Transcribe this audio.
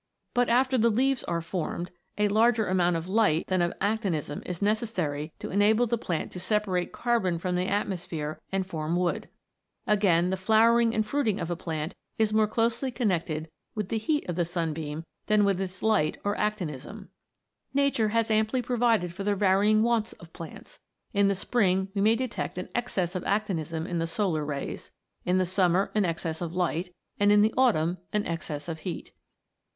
But, after the leaves are formed, a larger amount of light than of actinism is necessary to enable the plant to sepa rate carbon from the atmosphere and form wood. Again, the flowering and fruiting of a plant is more closely connected with the heat of the sunbeam than THE MAGIC OF THE SUNBEAM. 101 with its light or actinism. Nature has amply pro vided for the varying wants of plants ; in the spring we may detect an excess of actinism in the solar rays; in the summer an excess of light, and in the autumn an excess of heat.